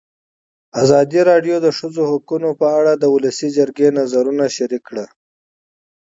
ازادي راډیو د د ښځو حقونه په اړه د ولسي جرګې نظرونه شریک کړي.